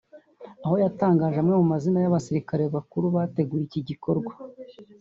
aho yatangaje amwe mu mazina y’abasirikare bakuru bateguye iki gikorwa